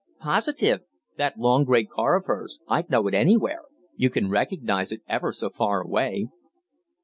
"Positive that long grey car of hers, I'd know it anywhere; you can recognize it ever so far away."